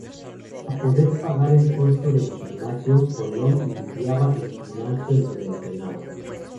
Para poder pagar el costo del gimnasio Colón limpiaba el gimnasio en donde entrenaba.